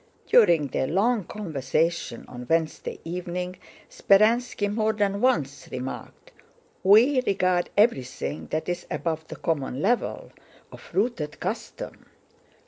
During their long conversation on Wednesday evening, Speránski more than once remarked: "We regard everything that is above the common level of rooted custom..."